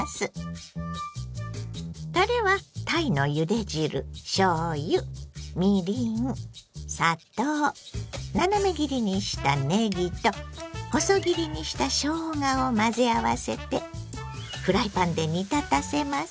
たれはたいのゆで汁しょうゆみりん砂糖斜め切りにしたねぎと細切りにしたしょうがを混ぜ合わせてフライパンで煮立たせます。